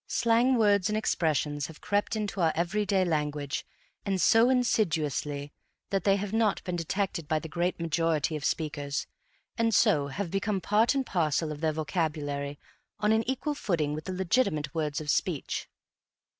Slang words and expressions have crept into our everyday language, and so insiduously, that they have not been detected by the great majority of speakers, and so have become part and parcel of their vocabulary on an equal footing with the legitimate words of speech.